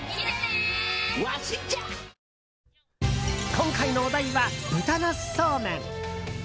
今回のお題は豚ナスそうめん。